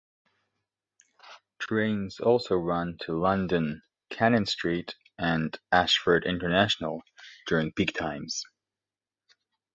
Trains also run to London Cannon Street and Ashford International during peak times.